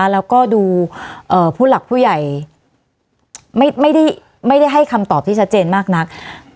แล้วก็ดูผู้หลักผู้ใหญ่ไม่ได้ให้คำตอบที่ชัดเจนมากนัก